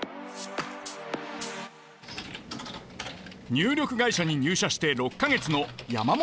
入力会社に入社して６か月の山本太郎さん。